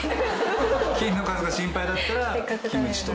「菌の数が心配だったらキムチと混ぜれば」